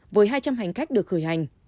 với hai trăm linh hành khách được khởi hành